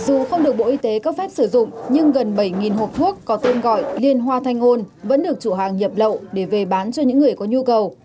dù không được bộ y tế cấp phép sử dụng nhưng gần bảy hộp thuốc có tên gọi liên hoa thanh ngôn vẫn được chủ hàng nhập lậu để về bán cho những người có nhu cầu